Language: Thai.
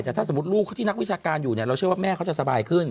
แต่ถ้าสมมุติลูกที่นักวิชาการอยู่เนี่ยเราเชื่อว่าแม่เขาจะสบายขึ้น